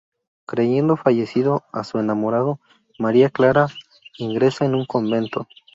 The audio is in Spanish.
Creyendo fallecido a su enamorado, María Clara ingresa en un convento.